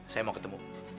saya mau ketemu